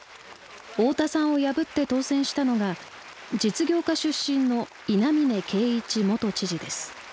大田さんを破って当選したのが実業家出身の稲嶺恵一元知事です。